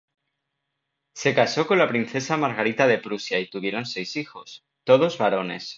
Se casó con la princesa Margarita de Prusia y tuvieron seis hijos, todos varones.